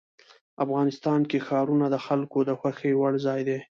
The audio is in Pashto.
افغانستان کې ښارونه د خلکو د خوښې وړ ځای دی.